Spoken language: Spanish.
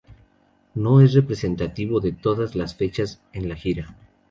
No es representativo de todas las fechas en la gira.